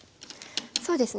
そうですね。